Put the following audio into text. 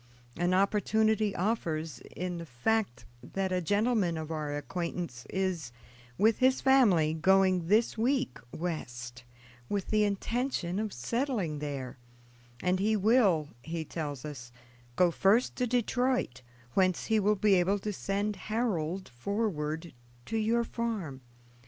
An opportunity offers, in the fact that a gentleman of our acquaintance is, with his family, going this week West, with the intention of settling there, and he will, he tells us, go first to Detroit, whence he will be able to send Harold forward to your farm.